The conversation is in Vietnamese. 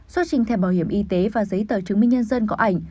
xuất trình thẻ bảo hiểm y tế và giấy tờ chứng minh nhân dân có ảnh